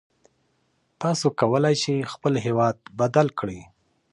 تاسو کولای شئ خپل هېواد بدل کړئ.